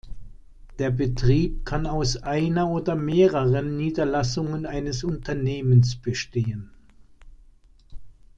Der Betrieb kann aus einer oder mehreren Niederlassungen eines Unternehmens bestehen.